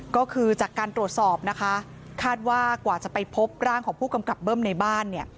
ก็คือจากการตรวจสอบนะคะคาดว่ากว่าจะไปพบร่างของผู้กำกับเบิ้มในบ้านเนี่ย